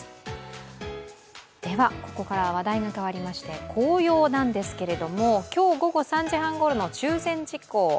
ここからは話題が変わりまして、紅葉なんですけれども、今日午後３時半ごろの中禅寺湖。